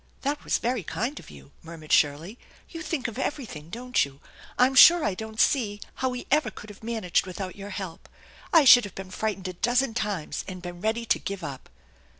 " That was very kind of you," murmured Shirley. " You think of everything, don't you? I'm sure I don't see how we ever could have managed without your help. I should have been frightened a dozen times and been ready to give up."